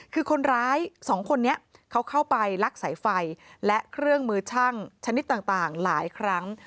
คือคนร้ายสองคนนี้เขาเข้าไปลักสายไฟและเครื่องมือช่างชนิดต่างหลายครั้ง